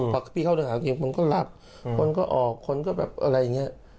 พอพี่เข้าถึงคนก็หลับอืมคนก็ออกคนก็แบบอะไรเนี้ย